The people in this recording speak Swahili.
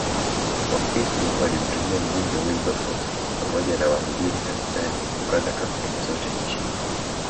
Wakristo walimtumia Mbunge Wilberforce pamoja na wahubiri kanisani kukaza kampeni kote nchini